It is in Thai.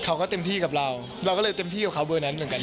เขาก็เต็มที่กับเราเราก็เลยเต็มที่กับเขาเบอร์นั้นเหมือนกัน